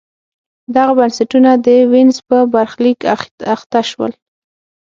دغه بنسټونه د وینز په برخلیک اخته شول.